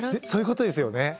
そういうことですよね？